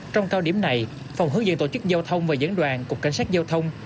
trong cao điểm này phòng hướng dẫn tổ chức giao thông và dẫn đoàn cục cảnh sát giao thông